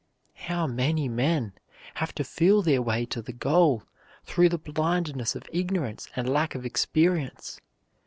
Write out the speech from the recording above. How many men have to feel their way to the goal through the blindness of ignorance and lack of experience?